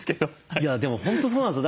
いやでも本当そうなんですよ。